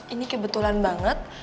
ini kebetulan banget